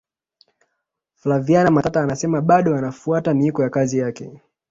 flaviana matata anasema bado anafuata miiko ya kazi yake